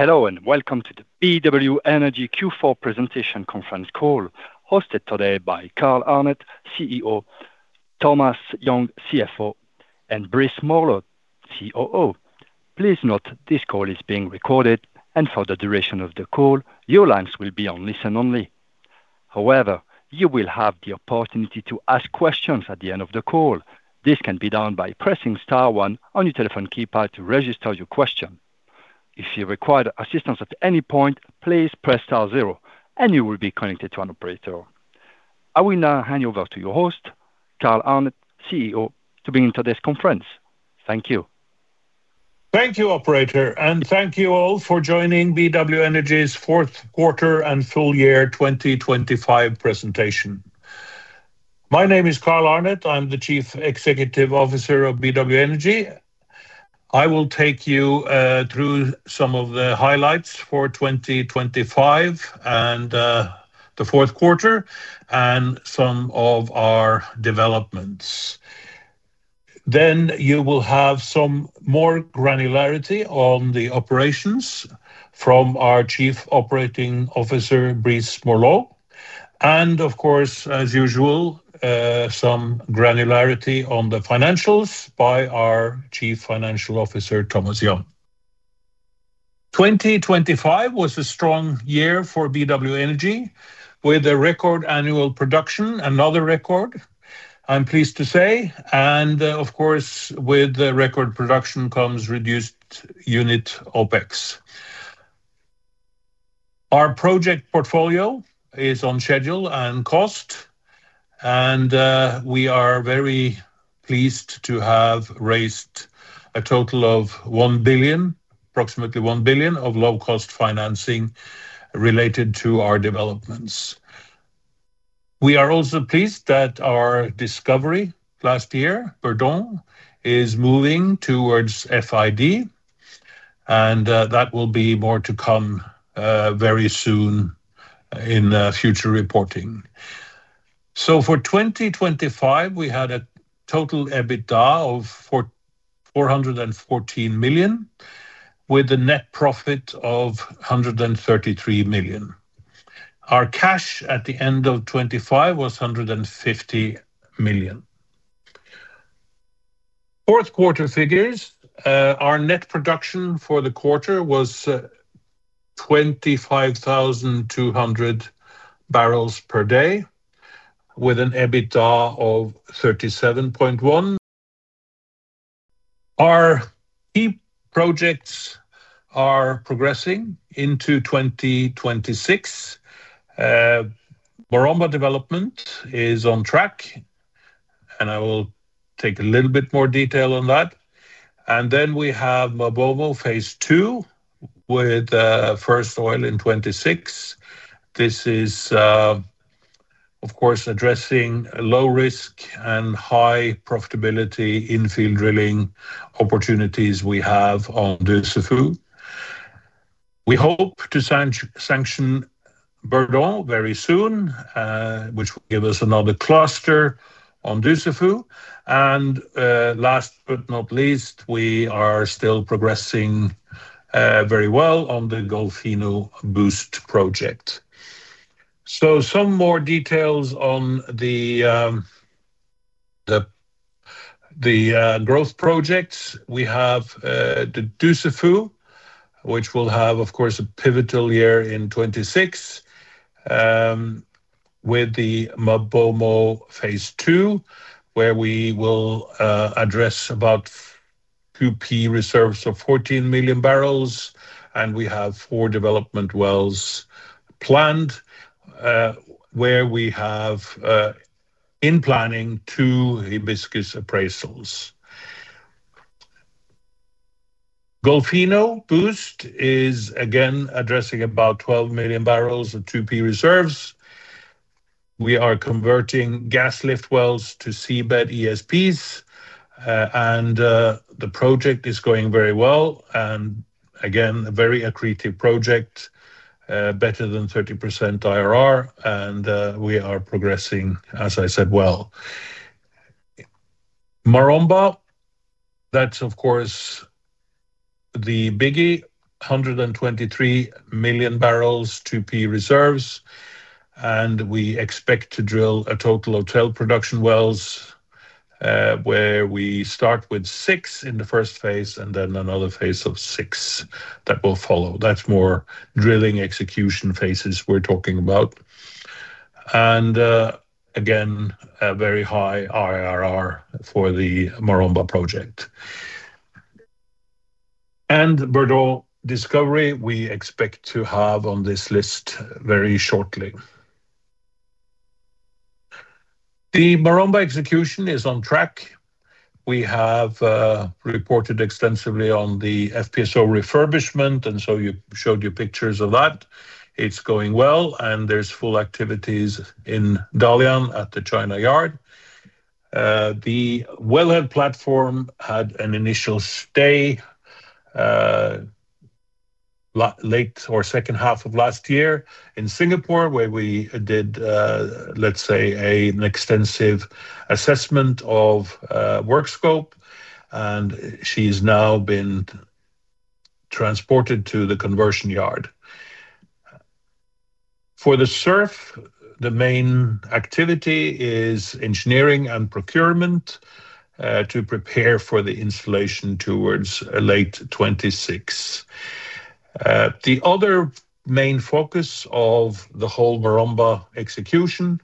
Hello and welcome to the BW Energy Q4 presentation conference call hosted today by Carl Arnet, CEO, Thomas Young, CFO, and Brice Morlot, COO. Please note this call is being recorded, and for the duration of the call your lines will be on listen only. However, you will have the opportunity to ask questions at the end of the call. This can be done by pressing star one on your telephone keypad to register your question. If you require assistance at any point, please press star zero, and you will be connected to an operator. I will now hand over to your host, Carl Arnet, CEO, to begin today's conference. Thank you. Thank you, operator, and thank you all for joining BW Energy's fourth quarter and full year 2025 presentation. My name is Carl Arnet. I'm the Chief Executive Officer of BW Energy. I will take you through some of the highlights for 2025 and the fourth quarter and some of our developments. Then you will have some more granularity on the operations from our Chief Operating Officer, Brice Morlot, and of course, as usual, some granularity on the financials by our Chief Financial Officer, Thomas Young. 2025 was a strong year for BW Energy, with a record annual production, another record, I'm pleased to say, and of course with the record production comes reduced unit OpEx. Our project portfolio is on schedule and cost, and we are very pleased to have raised a total of $1 billion, approximately $1 billion, of low-cost financing related to our developments. We are also pleased that our discovery last year, Bourdon, is moving towards FID, and that will be more to come very soon in future reporting. So for 2025 we had a total EBITDA of $414 million, with a net profit of $133 million. Our cash at the end of 2025 was $150 million. Fourth quarter figures, our net production for the quarter was 25,200 barrels per day, with an EBITDA of $37.1 million. Our key projects are progressing into 2026. Maromba development is on track, and I will take a little bit more detail on that. And then we have MaBoMo Phase 2 with first oil in 2026. This is, of course, addressing low risk and high profitability in-field drilling opportunities we have on Dussafu. We hope to sanction Bourdon very soon, which will give us another cluster on Dussafu. Last but not least, we are still progressing very well on the Golfinho Boost project. Some more details on the growth projects. We have the Dussafu, which will have, of course, a pivotal year in 2026, with the MaBoMo Phase 2, where we will address about 2P reserves of 14 million barrels, and we have four development wells planned, where we have in planning two Hibiscus appraisals. Golfinho Boost is, again, addressing about 12 million barrels of 2P reserves. We are converting gas lift wells to seabed ESPs, and the project is going very well, and again, a very accretive project, better than 30% IRR, and we are progressing, as I said, well. Maromba, that's of course the biggie, 123 million barrels 2P reserves, and we expect to drill a total of 12 production wells, where we start with six in the first phase and then another phase of six that will follow. That's more drilling execution phases we're talking about. And again, a very high IRR for the Maromba project. And Bourdon discovery we expect to have on this list very shortly. The Maromba execution is on track. We have reported extensively on the FPSO refurbishment, and so you showed you pictures of that. It's going well, and there's full activities in Dalian at the China yard. The wellhead platform had an initial stay late or second half of last year in Singapore, where we did, let's say, an extensive assessment of work scope, and she's now been transported to the conversion yard. For the SURF, the main activity is engineering and procurement to prepare for the installation towards late 2026. The other main focus of the whole Maromba execution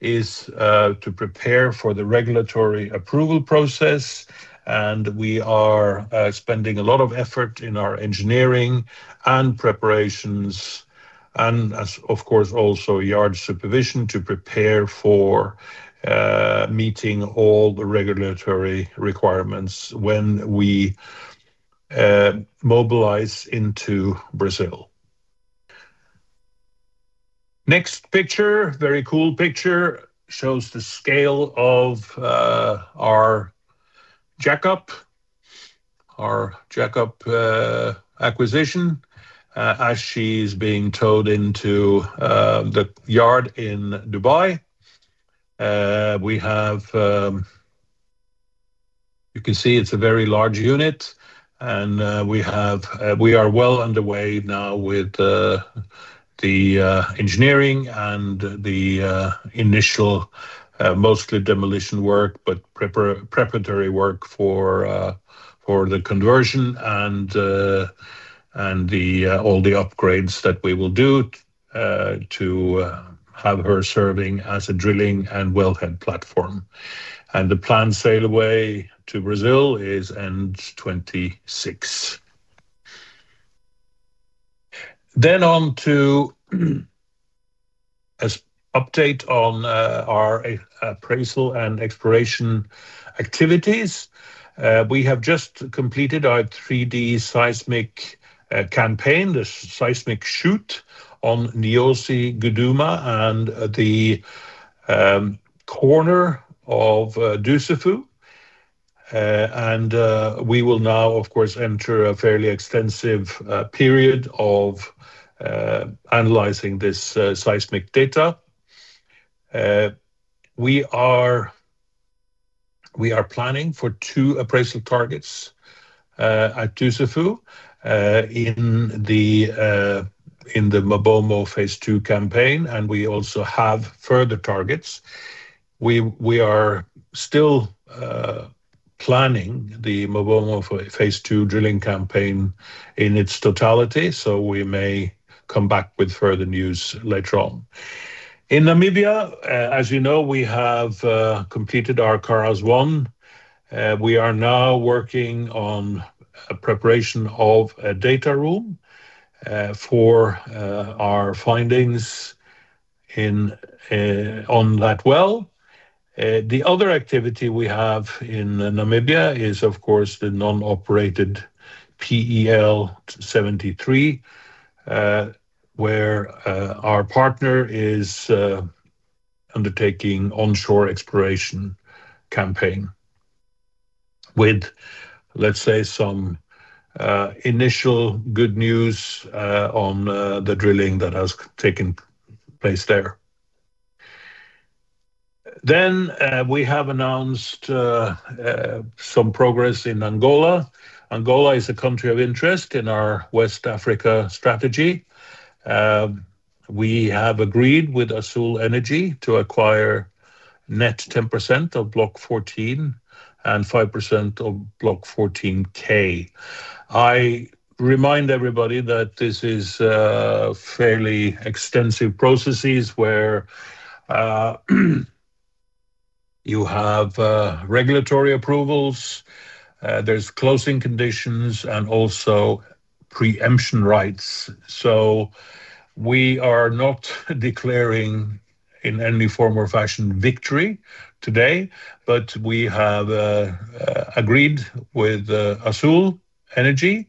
is to prepare for the regulatory approval process, and we are spending a lot of effort in our engineering and preparations, and of course also yard supervision to prepare for meeting all the regulatory requirements when we mobilize into Brazil. Next picture, very cool picture, shows the scale of our jack-up, our jack-up acquisition, as she's being towed into the yard in Dubai. We have, you can see it's a very large unit, and we are well underway now with the engineering and the initial, mostly demolition work but preparatory work for the conversion and all the upgrades that we will do to have her serving as a drilling and wellhead platform. The planned sail away to Brazil is end 2026. Then on to an update on our appraisal and exploration activities. We have just completed our 3D seismic campaign, the seismic shoot, on Nyosi, Guduma, and the corner of Dussafu. And we will now, of course, enter a fairly extensive period of analyzing this seismic data. We are planning for two appraisal targets at Dussafu in the MaBoMo Phase 2 campaign, and we also have further targets. We are still planning the MaBoMo Phase 2 drilling campaign in its totality, so we may come back with further news later on. In Namibia, as you know, we have completed our Kharas-1. We are now working on preparation of a data room for our findings on that well. The other activity we have in Namibia is, of course, the non-operated PEL 73, where our partner is undertaking onshore exploration campaign with, let's say, some initial good news on the drilling that has taken place there. Then we have announced some progress in Angola. Angola is a country of interest in our West Africa strategy. We have agreed with Azule Energy to acquire net 10% of Block 14 and 5% of Block 14K. I remind everybody that this is fairly extensive processes where you have regulatory approvals, there's closing conditions, and also preemption rights. So we are not declaring in any form or fashion victory today, but we have agreed with Azule Energy,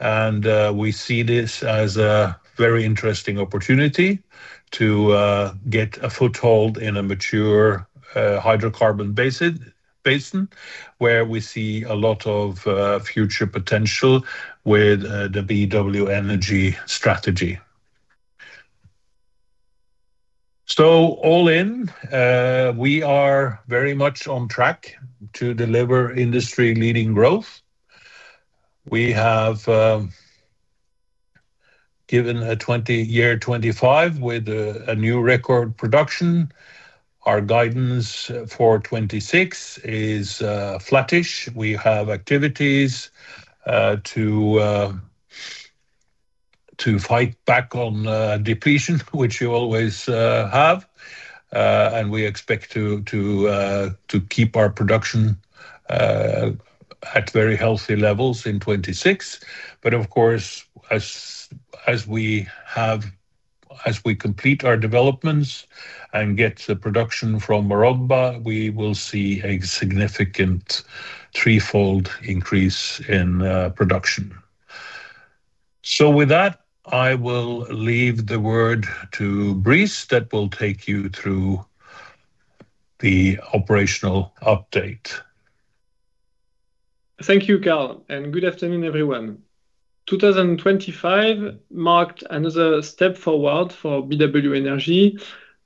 and we see this as a very interesting opportunity to get a foothold in a mature hydrocarbon basin where we see a lot of future potential with the BW Energy strategy. So all in, we are very much on track to deliver industry-leading growth. We have given a 2025 with a new record production. Our guidance for 2026 is flattish. We have activities to fight back on depletion, which you always have, and we expect to keep our production at very healthy levels in 2026. But of course, as we complete our developments and get the production from Maromba, we will see a significant threefold increase in production. So with that, I will leave the word to Brice that will take you through the operational update. Thank you, Carl, and good afternoon, everyone. 2025 marked another step forward for BW Energy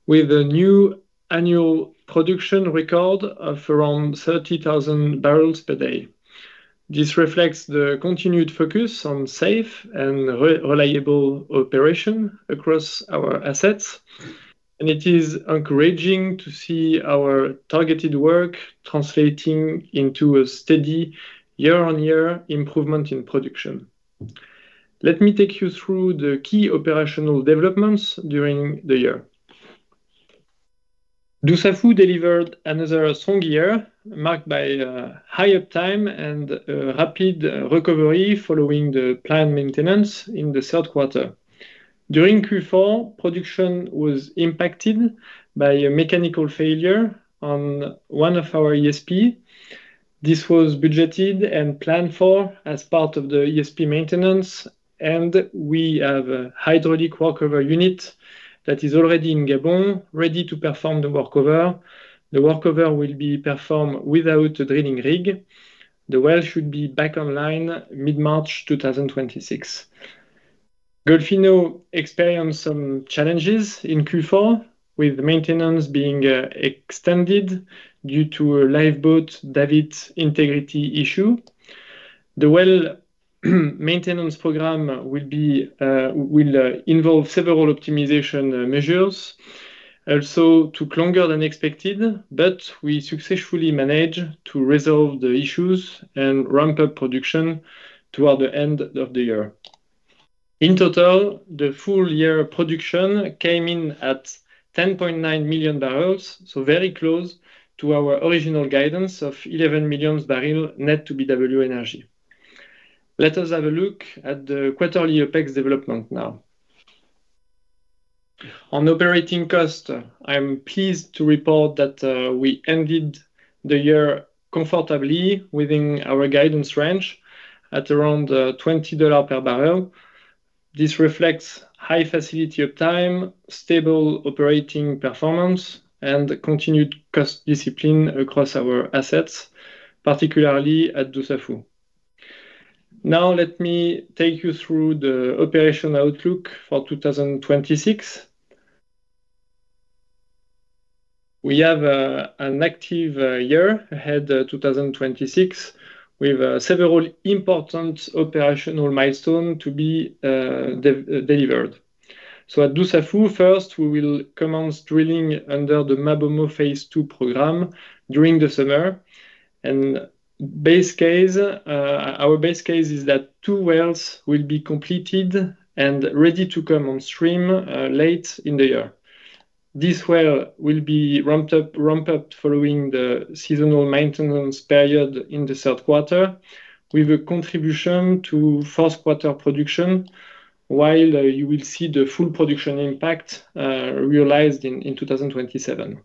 with a new annual production record of around 30,000 barrels per day. This reflects the continued focus on safe and reliable operation across our assets, and it is encouraging to see our targeted work translating into a steady year-on-year improvement in production. Let me take you through the key operational developments during the year. Dussafu delivered another strong year marked by high uptime and rapid recovery following the planned maintenance in the third quarter. During Q4, production was impacted by a mechanical failure on one of our ESP. This was budgeted and planned for as part of the ESP maintenance, and we have a hydraulic workover unit that is already in Gabon ready to perform the workover. The workover will be performed without a drilling rig. The well should be back online mid-March 2026. Golfinho experienced some challenges in Q4 with maintenance being extended due to a lifeboat davit integrity issue. The well maintenance program will involve several optimization measures, also took longer than expected, but we successfully managed to resolve the issues and ramp up production toward the end of the year. In total, the full year production came in at 10.9 million barrels, so very close to our original guidance of 11 million barrels net to BW Energy. Let us have a look at the quarterly OpEx development now. On operating cost, I'm pleased to report that we ended the year comfortably within our guidance range at around $20 per barrel. This reflects high facility uptime, stable operating performance, and continued cost discipline across our assets, particularly at Dussafu. Now let me take you through the operational outlook for 2026. We have an active year ahead, 2026, with several important operational milestones to be delivered. So at Dussafu, first, we will commence drilling under the MaBoMo Phase 2 program during the summer. And base case, our base case is that two wells will be completed and ready to come on stream late in the year. This well will be ramped up following the seasonal maintenance period in the third quarter with a contribution to fourth quarter production, while you will see the full production impact realized in 2027.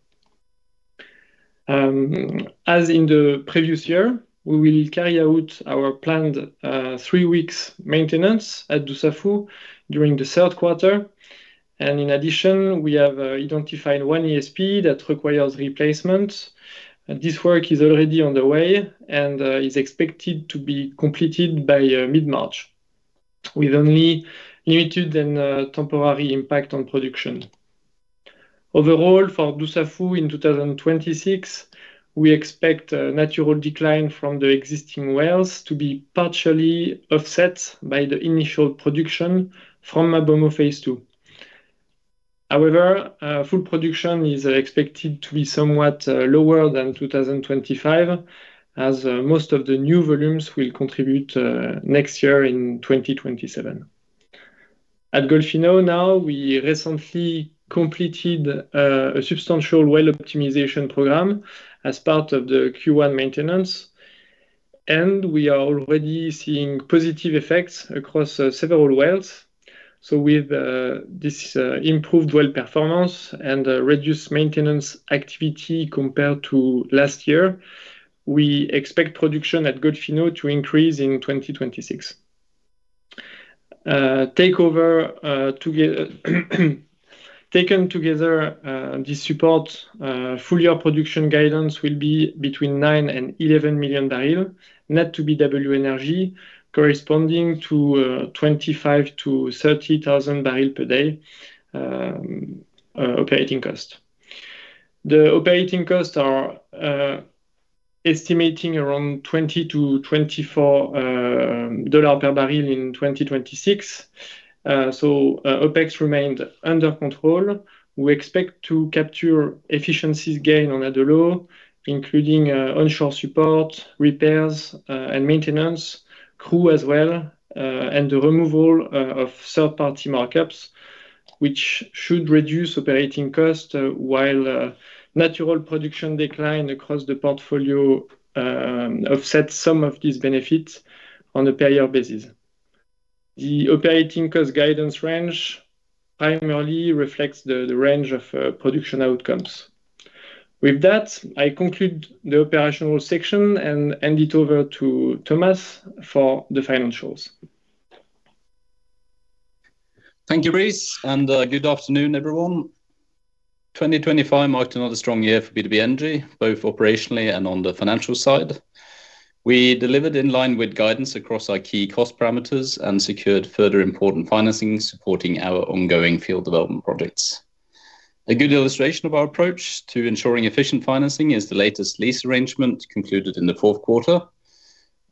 As in the previous year, we will carry out our planned three weeks maintenance at Dussafu during the third quarter. And in addition, we have identified one ESP that requires replacement. This work is already underway and is expected to be completed by mid-March, with only limited and temporary impact on production. Overall, for Dussafu in 2026, we expect natural decline from the existing wells to be partially offset by the initial production from MaBoMo Phase 2. However, full production is expected to be somewhat lower than 2025, as most of the new volumes will contribute next year in 2027. At Golfinho now, we recently completed a substantial well optimization program as part of the Q1 maintenance, and we are already seeing positive effects across several wells. With this improved well performance and reduced maintenance activity compared to last year, we expect production at Golfinho to increase in 2026. Taken together, this supports full year production guidance will be between 9 million-11 million barrels-net to BW Energy, corresponding to 25,000-30,000 barrels per day operating cost. The operating costs are estimating around $20-$24 per barrel in 2026. So OpEx remained under control. We expect to capture efficiency gains on Adolo, including onshore support, repairs, and maintenance, crew as well, and the removal of third-party markups, which should reduce operating cost while natural production decline across the portfolio offsets some of these benefits on a per barrel basis. The operating cost guidance range primarily reflects the range of production outcomes. With that, I conclude the operational section and hand it over to Thomas for the financials. Thank you, Brice, and good afternoon, everyone. 2025 marked another strong year for BW Energy, both operationally and on the financial side. We delivered in line with guidance across our key cost parameters and secured further important financing supporting our ongoing field development projects. A good illustration of our approach to ensuring efficient financing is the latest lease arrangement concluded in the fourth quarter.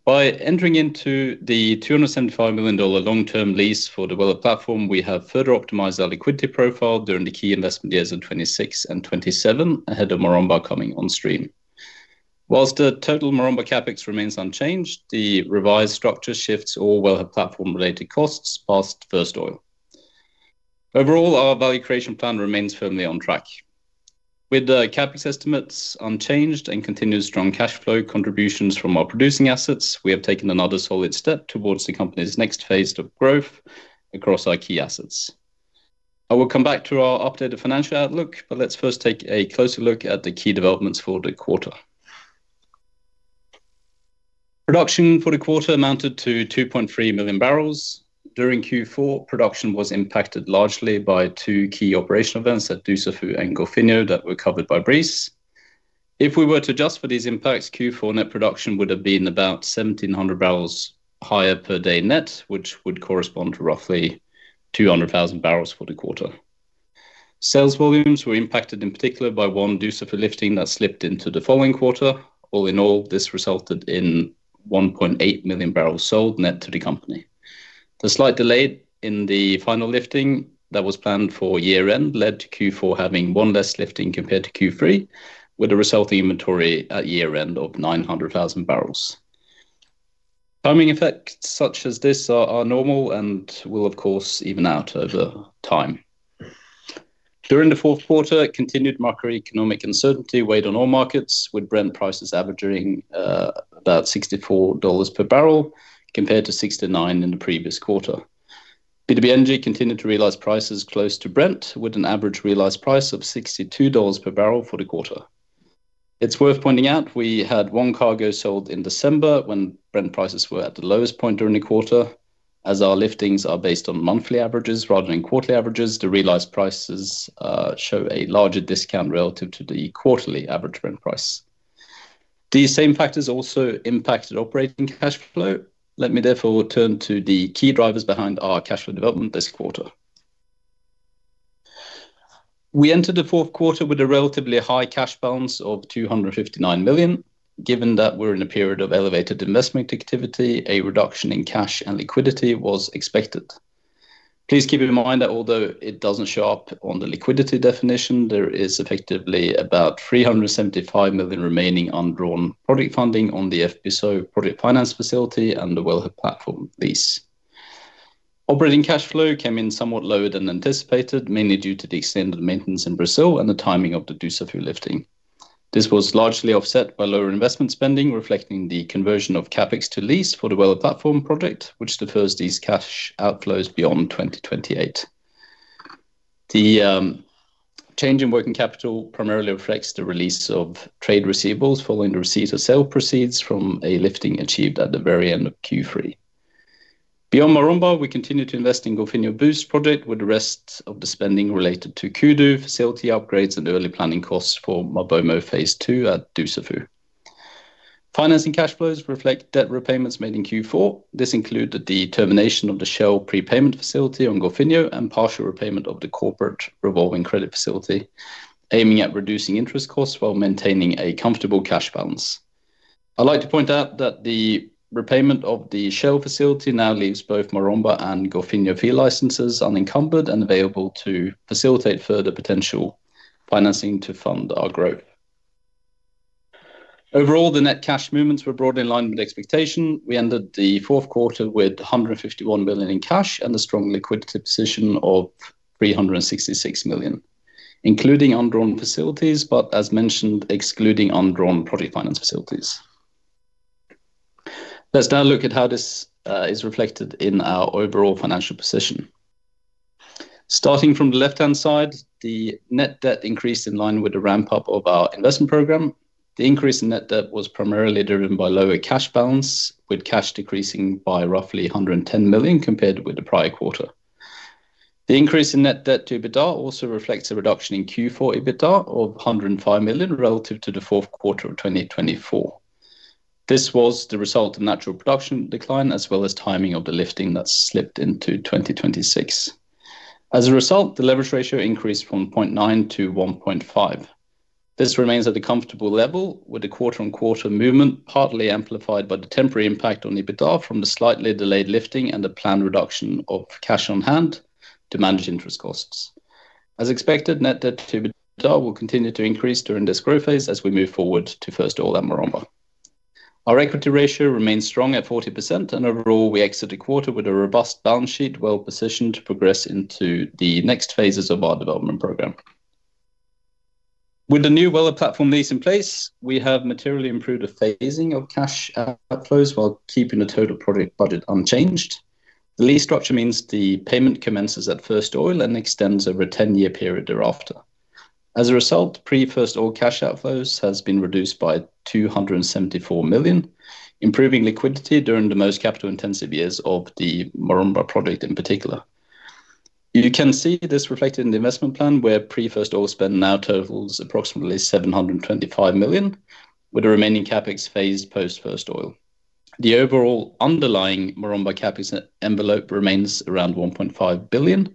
By entering into the $275 million long-term lease for the well platform, we have further optimized our liquidity profile during the key investment years in 2026 and 2027 ahead of Maromba coming on stream. While the total Maromba CapEx remains unchanged, the revised structure shifts all wellhead platform related costs past first oil. Overall, our value creation plan remains firmly on track. With the CapEx estimates unchanged and continued strong cash flow contributions from our producing assets, we have taken another solid step towards the company's next phase of growth across our key assets. I will come back to our updated financial outlook, but let's first take a closer look at the key developments for the quarter. Production for the quarter amounted to 2.3 million barrels. During Q4, production was impacted largely by two key operational events at Dussafu and Golfinho that were covered by Brice. If we were to adjust for these impacts, Q4 net production would have been about 1,700 barrels higher per day net, which would correspond to roughly 200,000 barrels for the quarter. Sales volumes were impacted in particular by one Dussafu lifting that slipped into the following quarter. All in all, this resulted in 1.8 million barrels sold net to the company. The slight delay in the final lifting that was planned for year-end led to Q4 having one less lifting compared to Q3, with a resulting inventory at year-end of 900,000 barrels. Timing effects such as this are normal and will, of course, even out over time. During the fourth quarter, continued macroeconomic uncertainty weighed on all markets, with Brent prices averaging about $64 per barrel compared to $69 in the previous quarter. BW Energy continued to realize prices close to Brent, with an average realized price of $62 per barrel for the quarter. It's worth pointing out we had one cargo sold in December when Brent prices were at the lowest point during the quarter. As our liftings are based on monthly averages rather than quarterly averages, the realized prices show a larger discount relative to the quarterly average Brent price. These same factors also impacted operating cash flow. Let me therefore turn to the key drivers behind our cash flow development this quarter. We entered the fourth quarter with a relatively high cash balance of $259 million. Given that we're in a period of elevated investment activity, a reduction in cash and liquidity was expected. Please keep in mind that although it doesn't show up on the liquidity definition, there is effectively about $375 million remaining undrawn project funding on the FPSO project finance facility and the wellhead platform lease. Operating cash flow came in somewhat lower than anticipated, mainly due to the extended maintenance in Brazil and the timing of the Dussafu lifting. This was largely offset by lower investment spending, reflecting the conversion of CapEx to lease for the wellhead platform project, which defers these cash outflows beyond 2028. The change in working capital primarily reflects the release of trade receivables following the receipt or sale proceeds from a lifting achieved at the very end of Q3. Beyond Maromba, we continue to invest in Golfinho Boost project with the rest of the spending related to Kudu facility upgrades and early planning costs for MaBoMo Phase 2 at Dussafu. Financing cash flows reflect debt repayments made in Q4. This included the termination of the Shell prepayment facility on Golfinho and partial repayment of the corporate revolving credit facility, aiming at reducing interest costs while maintaining a comfortable cash balance. I'd like to point out that the repayment of the Shell facility now leaves both Maromba and Golfinho fee licenses unencumbered and available to facilitate further potential financing to fund our growth. Overall, the net cash movements were broadly in line with expectation. We ended the fourth quarter with $151 million in cash and a strong liquidity position of $366 million, including undrawn facilities, but as mentioned, excluding undrawn project finance facilities. Let's now look at how this is reflected in our overall financial position. Starting from the left-hand side, the net debt increased in line with the ramp-up of our investment program. The increase in net debt was primarily driven by lower cash balance, with cash decreasing by roughly $110 million compared with the prior quarter. The increase in net debt to EBITDA also reflects a reduction in Q4 EBITDA of $105 million relative to the fourth quarter of 2024. This was the result of natural production decline as well as timing of the lifting that slipped into 2026. As a result, the leverage ratio increased from 0.9 to 1.5. This remains at a comfortable level, with the quarter-on-quarter movement partly amplified by the temporary impact on EBITDA from the slightly delayed lifting and the planned reduction of cash on hand to manage interest costs. As expected, net debt to EBITDA will continue to increase during this growth phase as we move forward to first oil and Maromba. Our equity ratio remains strong at 40%, and overall, we exited the quarter with a robust balance sheet well positioned to progress into the next phases of our development program. With the new wellhead platform lease in place, we have materially improved the phasing of cash outflows while keeping the total project budget unchanged. The lease structure means the payment commences at first oil and extends over a 10-year period thereafter. As a result, pre-first oil cash outflows have been reduced by $274 million, improving liquidity during the most capital-intensive years of the Maromba project in particular. You can see this reflected in the investment plan, where pre-first oil spend now totals approximately $725 million, with the remaining CapEx phased post-first oil. The overall underlying Maromba CapEx envelope remains around $1.5 billion,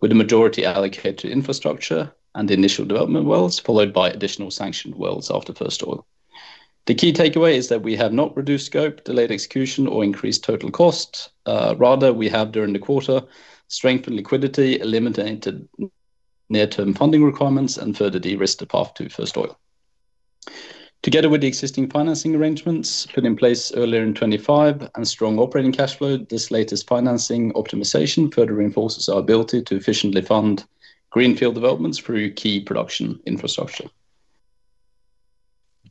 with the majority allocated to infrastructure and initial development wells, followed by additional sanctioned wells after first oil. The key takeaway is that we have not reduced scope, delayed execution, or increased total cost. Rather, we have, during the quarter, strengthened liquidity, eliminated near-term funding requirements, and further de-risked the path to first oil. Together with the existing financing arrangements put in place earlier in 2025 and strong operating cash flow, this latest financing optimization further reinforces our ability to efficiently fund greenfield developments through key production infrastructure.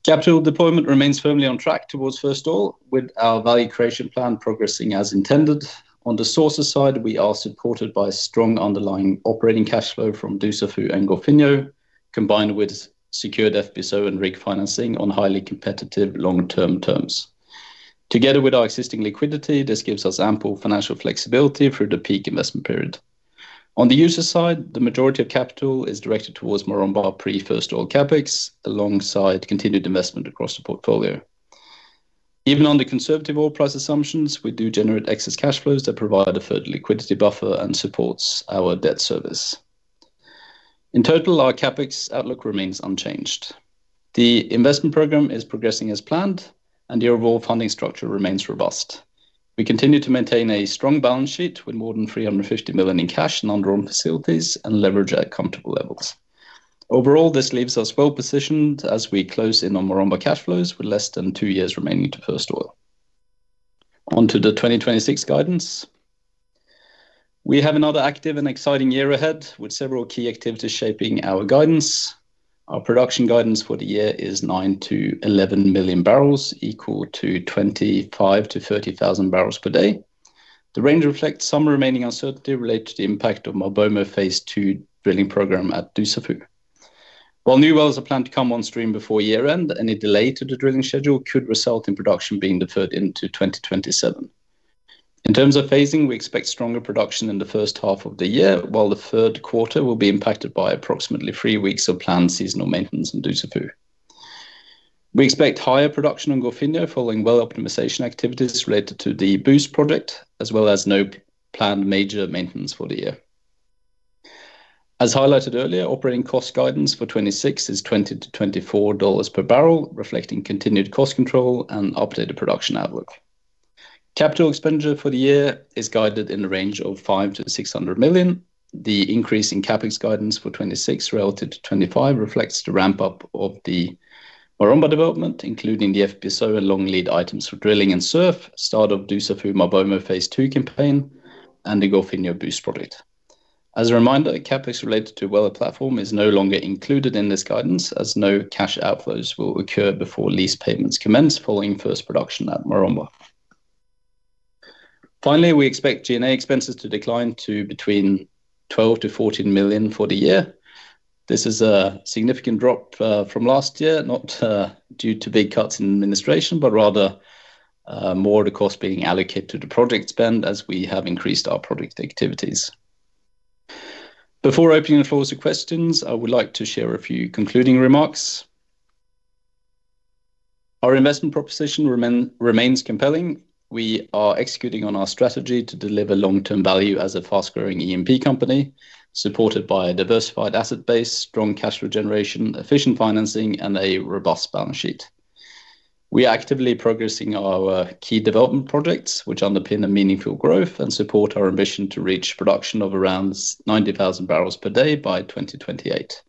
Capital deployment remains firmly on track towards first oil, with our value creation plan progressing as intended. On the sources side, we are supported by strong underlying operating cash flow from Dussafu and Golfinho, combined with secured FPSO and rig financing on highly competitive long-term terms. Together with our existing liquidity, this gives us ample financial flexibility through the peak investment period. On the user side, the majority of capital is directed towards Maromba pre-first oil CapEx alongside continued investment across the portfolio. Even on the conservative oil price assumptions, we do generate excess cash flows that provide a further liquidity buffer and supports our debt service. In total, our CapEx outlook remains unchanged. The investment program is progressing as planned, and the overall funding structure remains robust. We continue to maintain a strong balance sheet with more than $350 million in cash and undrawn facilities and leverage at comfortable levels. Overall, this leaves us well-positioned as we close in on Maromba cash flows with less than two years remaining to first oil. Onto the 2026 guidance. We have another active and exciting year ahead with several key activities shaping our guidance. Our production guidance for the year is 9 million-11 million barrels, equal to 25,000-30,000 barrels per day. The range reflects some remaining uncertainty related to the impact of MaBoMo Phase 2 drilling program at Dussafu. While new wells are planned to come on stream before year-end, any delay to the drilling schedule could result in production being deferred into 2027. In terms of phasing, we expect stronger production in the first half of the year, while the third quarter will be impacted by approximately three weeks of planned seasonal maintenance in Dussafu. We expect higher production on Golfinho following well optimization activities related to the Boost project, as well as no planned major maintenance for the year. As highlighted earlier, operating cost guidance for 2026 is $20-$24 per barrel, reflecting continued cost control and updated production outlook. Capital expenditure for the year is guided in the range of $500 million-$600 million. The increase in CapEx guidance for 2026 relative to 2025 reflects the ramp-up of the Maromba development, including the FPSO and long lead items for drilling and SURF, start of Dussafu MaBoMo Phase 2 campaign, and the Golfinho Boost project. As a reminder, CapEx related to wellhead platform is no longer included in this guidance, as no cash outflows will occur before lease payments commence following first production at Maromba. Finally, we expect G&A expenses to decline to between $12 million-$14 million for the year. This is a significant drop from last year, not due to big cuts in administration, but rather more of the cost being allocated to the project spend as we have increased our project activities. Before opening the floor to questions, I would like to share a few concluding remarks. Our investment proposition remains compelling. We are executing on our strategy to deliver long-term value as a fast-growing E&P company, supported by a diversified asset base, strong cash flow generation, efficient financing, and a robust balance sheet. We are actively progressing our key development projects, which underpin a meaningful growth and support our ambition to reach production of around 90,000 barrels per day by 2028.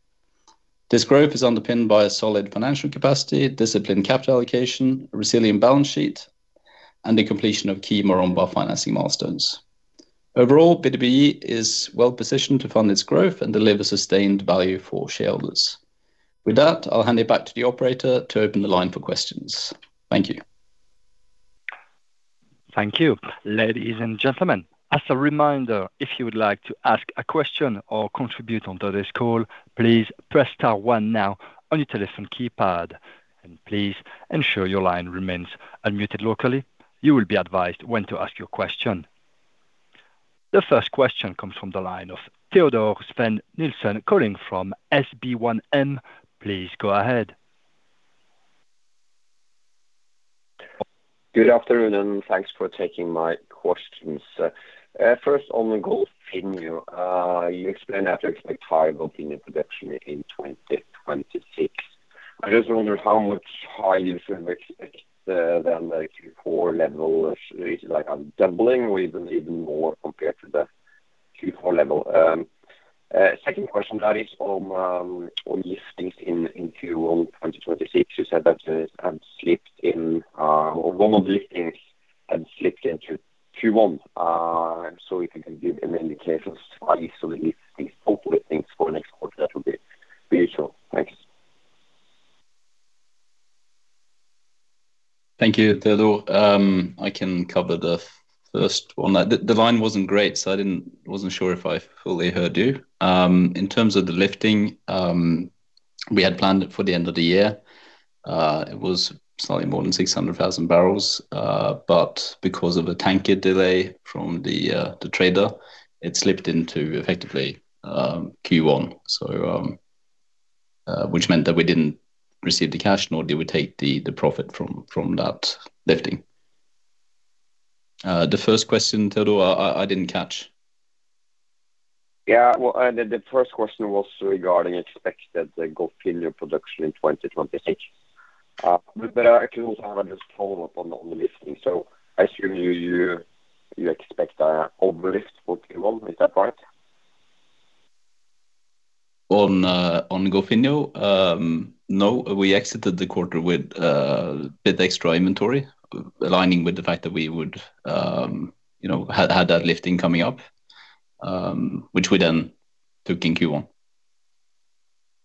This growth is underpinned by a solid financial capacity, disciplined capital allocation, a resilient balance sheet, and the completion of key Maromba financing milestones. Overall, BWE is well positioned to fund its growth and deliver sustained value for shareholders. With that, I'll hand it back to the operator to open the line for questions. Thank you. Thank you, ladies and gentlemen. As a reminder, if you would like to ask a question or contribute under this call, please press star one now on your telephone keypad. Please ensure your line remains unmuted locally. You will be advised when to ask your question. The first question comes from the line of Teodor Sveen-Nilsen calling from SB1M. Please go ahead. Good afternoon and thanks for taking my questions. First, on Golfinho, you explained that you expect higher Golfinho production in 2026. I just wonder how much higher you expect than the Q4 level. Is it doubling or even more compared to the Q4 level? Second question, that is on liftings in Q1 2026. You said that one of the liftings had slipped into Q1. So if you can give any indicators for easily hopefully things for next quarter, that would be useful. Thanks. Thank you, Teodor. I can cover the first one. The line wasn't great, so I wasn't sure if I fully heard you. In terms of the lifting, we had planned it for the end of the year. It was slightly more than 600,000 barrels. But because of a tanker delay from the trader, it slipped into effectively Q1, which meant that we didn't receive the cash nor did we take the profit from that lifting. The first question, Teodor, I didn't catch. Yeah, the first question was regarding expected Golfinho production in 2026. But I actually also have a follow-up on the lifting. So I assume you expect an overlift for Q1. Is that right? On Golfinho, no. We exited the quarter with a bit extra inventory, aligning with the fact that we had that lifting coming up, which we then took in Q1.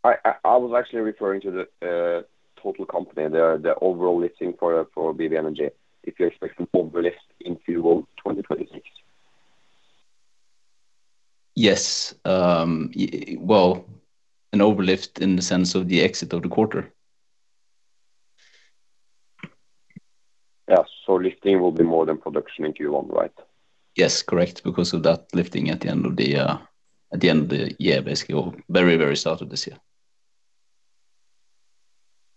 I was actually referring to the total company, the overall lifting for BW Energy, if you expect an overlift in Q1 2026. Yes. Well, an overlift in the sense of the exit of the quarter. Yeah. So lifting will be more than production in Q1, right? Yes, correct. Because of that lifting at the end of the year, basically, or very, very start of this year.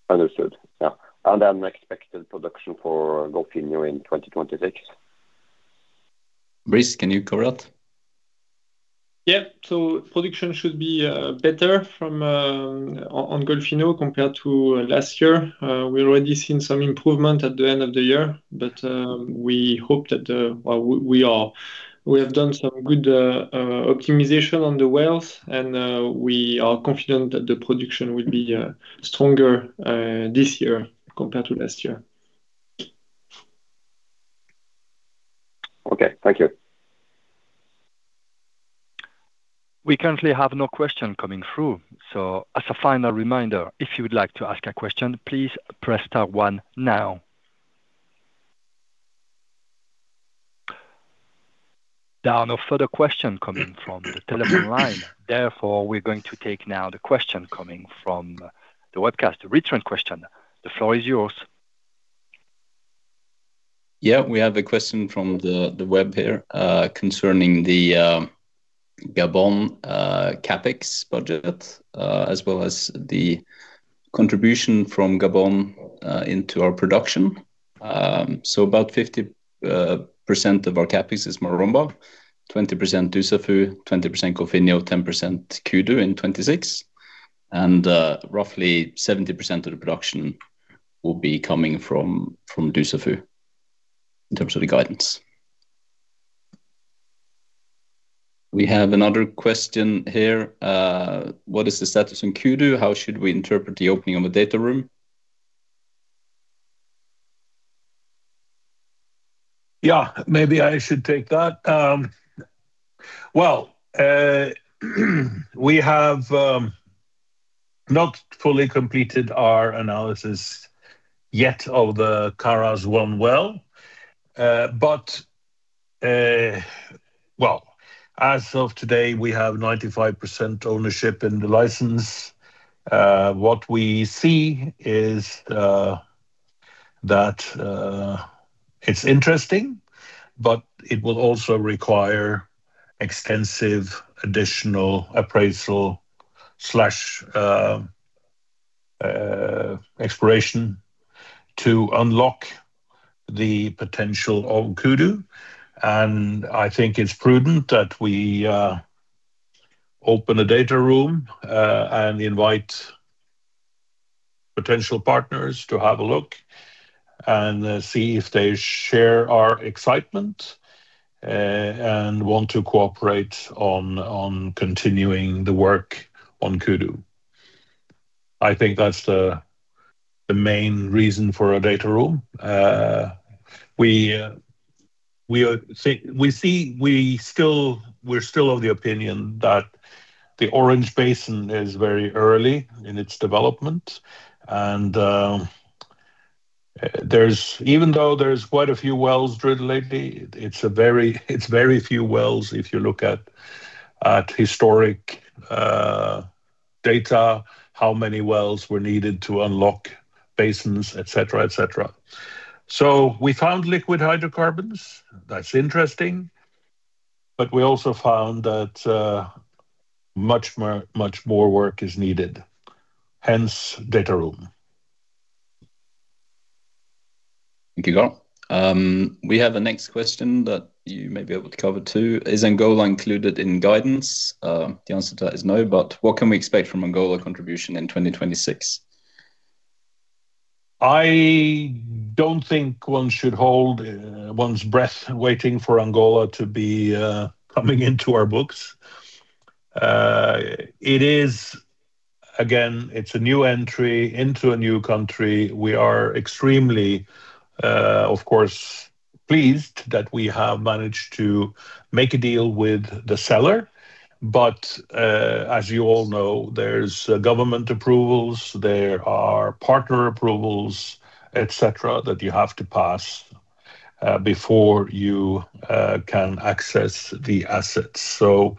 Understood. And then expected production for Golfinho in 2026? Brice, can you cover that? Yeah. So production should be better on Golfinho compared to last year. We've already seen some improvement at the end of the year, but we hope that we have done some good optimization on the wells, and we are confident that the production will be stronger this year compared to last year. Okay. Thank you. We currently have no question coming through. So as a final reminder, if you would like to ask a question, please press star one now. There are no further questions coming from the telephone line. Therefore, we're going to take now the question coming from the webcast, the return question. The floor is yours. Yeah, we have a question from the web here concerning the Gabon CapEx budget, as well as the contribution from Gabon into our production. So about 50% of our CapEx is Maromba, 20% Dussafu, 20% Golfinho, 10% Kudu in 2026, and roughly 70% of the production will be coming from Dussafu in terms of the guidance. We have another question here. What is the status on Kudu? How should we interpret the opening of a data room? Yeah, maybe I should take that. Well, we have not fully completed our analysis yet of the Kharas-1 Well. But well, as of today, we have 95% ownership in the license. What we see is that it's interesting, but it will also require extensive additional appraisal/exploration to unlock the potential of Kudu. I think it's prudent that we open a data room and invite potential partners to have a look and see if they share our excitement and want to cooperate on continuing the work on Kudu. I think that's the main reason for a data room. We see we're still of the opinion that the Orange Basin is very early in its development. Even though there's quite a few wells drilled lately, it's very few wells if you look at historic data, how many wells were needed to unlock basins, etc., etc. So we found liquid hydrocarbons. That's interesting. But we also found that much more work is needed, hence data room. Thank you, Carl. We have the next question that you may be able to cover too. Is Angola included in guidance? The answer to that is no. But what can we expect from Angola contribution in 2026? I don't think one should hold one's breath waiting for Angola to be coming into our books. Again, it's a new entry into a new country. We are extremely, of course, pleased that we have managed to make a deal with the seller. But as you all know, there's government approvals, there are partner approvals, etc., that you have to pass before you can access the assets. So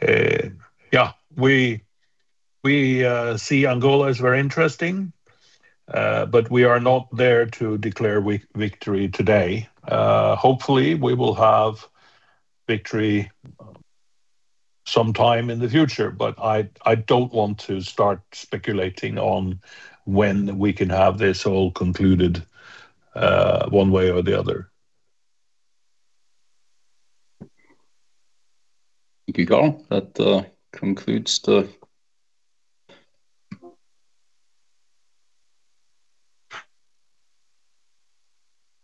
yeah, we see Angola as very interesting, but we are not there to declare victory today. Hopefully, we will have victory sometime in the future, but I don't want to start speculating on when we can have this all concluded one way or the other. Thank you, Carl. That concludes the—I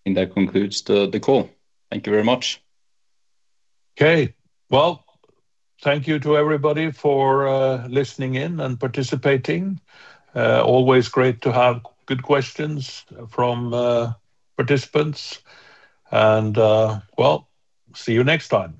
mean, that concludes the call. Thank you very much. Okay. Well, thank you to everybody for listening in and participating. Always great to have good questions from participants. Well, see you next time.